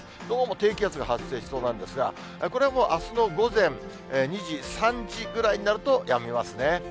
どうも低気圧が発生しそうなんですが、これはもう、あすの午前２時、３時ぐらいになると、やみますね。